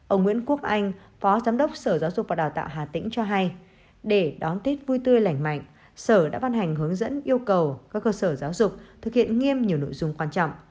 ông nguyễn quốc anh phó giám đốc sở giáo dục và đào tạo hà tĩnh cho hay để đón tết vui tươi lạnh mạnh sở đã ban hành hướng dẫn yêu cầu các cơ sở giáo dục thực hiện nghiêm nhiều nội dung quan trọng